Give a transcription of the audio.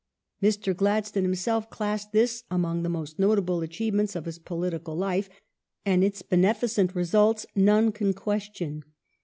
Mr. Bank Gladstone himself classed this among the most notable achieve ments of his political life, and its beneficent results none can question.